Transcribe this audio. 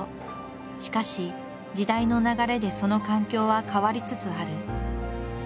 しかし時代の流れでその環境は変わりつつある。